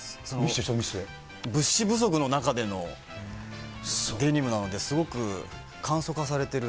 物資不足の中でのデニムなので、すごく簡素化されている。